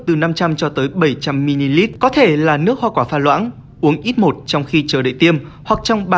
từ năm trăm linh bảy trăm linh ml có thể là nước hoa quả pha loãng uống ít một trong khi chờ đợi tiêm hoặc trong ba mươi